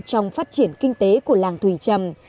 trong phát triển kinh tế của làng thủy trầm